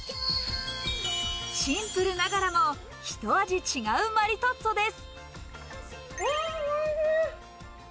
シンプルながらも、ひと味違うマリトッツォです。